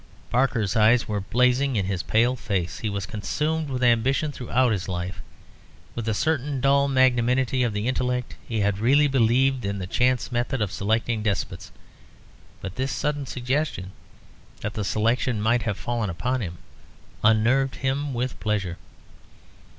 Barker's eyes were blazing in his pale face. He was consumed with ambition throughout his life. With a certain dull magnanimity of the intellect he had really believed in the chance method of selecting despots. But this sudden suggestion, that the selection might have fallen upon him, unnerved him with pleasure.